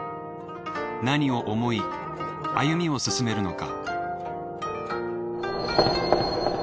何を思い歩みを進めるのか。